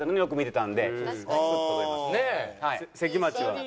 関町は？